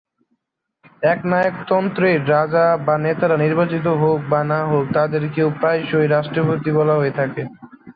একনায়ক তন্ত্রের রাজা বা নেতারা নির্বাচিত হোক বা না হোক, তাদেরকেও প্রায়শই রাষ্ট্রপতি বলা হয়ে থাকে।